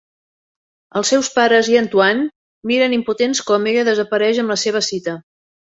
Els seus pares i Antoine miren impotents com ella desapareix amb la seva cita.